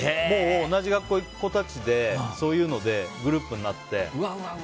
もう同じ学校に行く子たちでそういうのでグループになって。